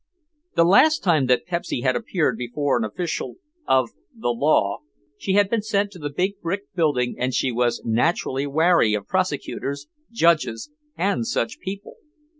The last time that Pepsy had appeared before an official of the law she had been sent to the big brick building and she was naturally wary of prosecutors, judges and such people.